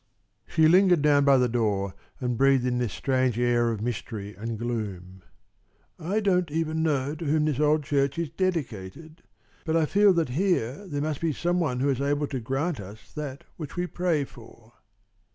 She lingered down by the door and breathed in this strange air of mystery and gloom. "I don't even know to whom this old church is dedicated; but I feel that here there must be some one who is able to grant us that which we pray for."